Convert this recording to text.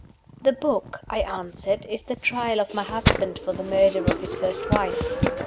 "The book," I answered, "is the Trial of my husband for the murder of his first wife."